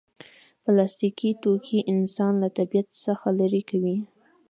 پلاستيکي توکي انسان له طبیعت څخه لرې کوي.